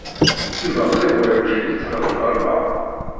Yuba qrib werǧin yettṛaju albaɛḍ.